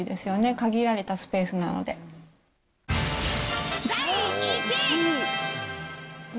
限られたスペースなので。